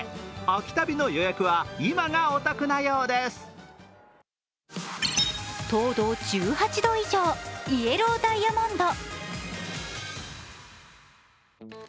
秋旅の予約は、今がお得なようですイエローダイヤモンド。